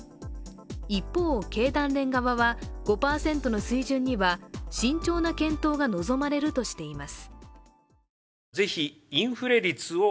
一方、経団連側は５％の水準には慎重な検討が望まれるとしています。